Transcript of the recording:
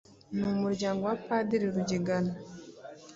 numuryango wa Padiri Rugigana.